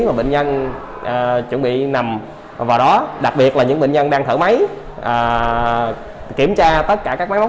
mà bệnh nhân chuẩn bị nằm vào đó đặc biệt là những bệnh nhân đang thở máy kiểm tra tất cả các máy móc